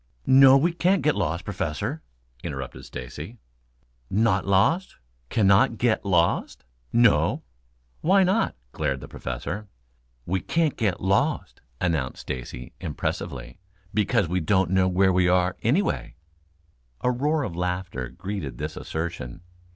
"No, we can't get lost, Professor," interrupted Stacy. "Not lost cannot get lost?" "No." "Why not?" glared the Professor. "We can't get lost," announced Stacy impressively, "because we don't know where we are, anyway." A roar of laughter greeted this assertion.